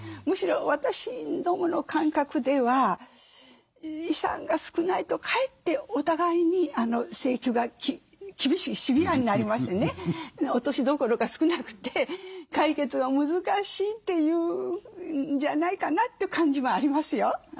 むしろ私どもの感覚では遺産が少ないとかえってお互いに請求が厳しいシビアになりましてね落としどころが少なくて解決が難しいというんじゃないかなという感じはありますよ。